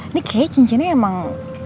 ini kayaknya cincinnya emang